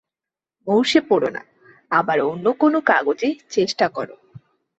মুষড়ে পড়ো না, আবার অন্য কোন কাগজে চেষ্টা কর।